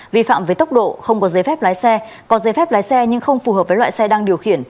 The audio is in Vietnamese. vi phạm về tốc độ không có giấy phép lái xe có giấy phép lái xe nhưng không phù hợp với loại xe đang điều khiển